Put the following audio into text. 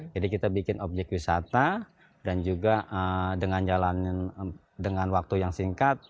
jadi kita bikin objek wisata dan juga dengan jalan dengan waktu yang singkat